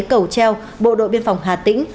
cầu treo bộ đội biên phòng hà tĩnh